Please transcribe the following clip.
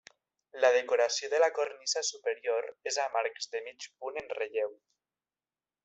La decoració de la cornisa superior és amb arcs de mig punt en relleu.